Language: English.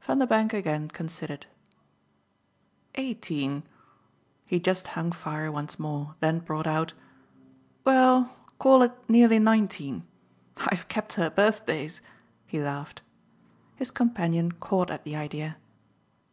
Vanderbank again considered. "Eighteen." He just hung fire once more, then brought out: "Well, call it nearly nineteen. I've kept her birthdays," he laughed. His companion caught at the idea.